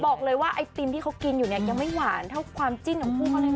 บอกเลยว่าไอติมที่เขากินอยู่เนี่ยยังไม่หวานเท่าความจิ้นของคู่เขาเลยนะ